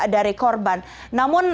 dari korban namun